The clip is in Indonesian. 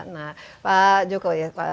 nah pak joko ya